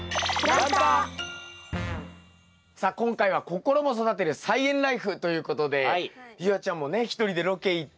さあ今回は「ココロも育てる！菜園ライフ」ということで夕空ちゃんもね一人でロケ行って。